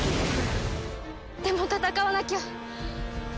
でも戦わなきゃ。